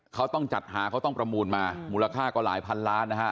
เขาต้องจัดหาเขาต้องประมูลมามูลค่าก็หลายพันล้านนะฮะ